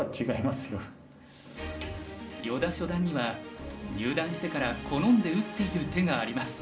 依田初段には入段してから好んで打っている手があります。